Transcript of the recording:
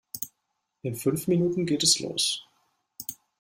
In fünf Minuten geht es los.